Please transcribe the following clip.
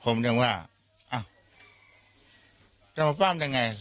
ผมยังว่าจะมาปั้มยังไง